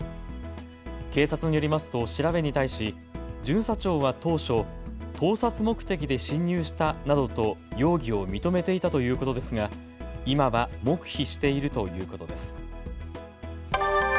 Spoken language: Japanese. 警察によりますと調べに対し巡査長は当初、盗撮目的で侵入したなどと容疑を認めていたということですが、今は黙秘しているということです。